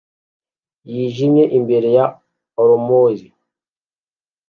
yijimye imbere ya armoire